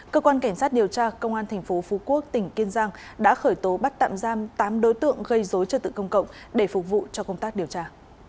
cơ quan cảnh sát điều tra công an tp phú quốc tỉnh kiên giang đã khởi tố bắt tạm giam tám đối tượng gây dối trật tự công cộng để phục vụ cho công tác điều tra